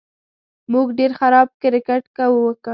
موږ ډېر خراب کرېکټ وکړ